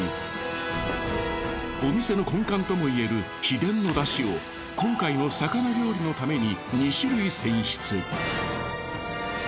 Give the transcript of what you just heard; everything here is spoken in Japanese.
お店の根幹ともいえる秘伝のだしを今回の魚料理のために２種類選出。